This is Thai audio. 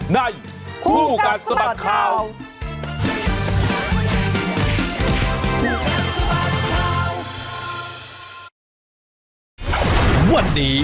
ในผู้การสบัดข่าว